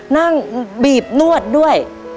นั่งบีบนวดด้วย